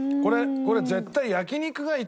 これ絶対。